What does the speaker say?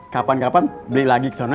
kapan kapan beli lagi kesana yuk